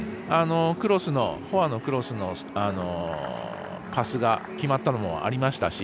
フォアのクロスのパスが決まったのもありましたし